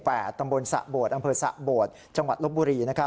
นาฬินโต๊ะทรัมพลสะโบดอำเภอสะโบดจังหวัดรบบุรี